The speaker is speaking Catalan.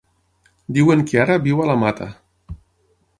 Diuen que ara viu a la Mata.